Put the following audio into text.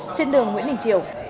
trên đường nguyễn đình triệu